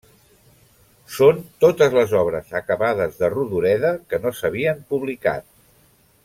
Són totes les obres acabades de Rodoreda que no s'havien publicat.